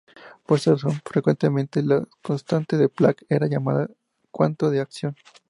Por esta razón, frecuentemente la constante de Planck era llamada el "cuanto de acción".